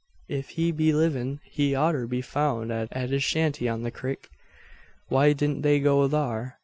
If he be livin' he oughter be foun' at his shanty on the crik. Why didn't they go thar?